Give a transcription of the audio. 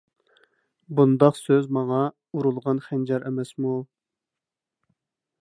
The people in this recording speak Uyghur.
بۇنداق سۆز ماڭا ئۇرۇلغان خەنجەر ئەمەسمۇ.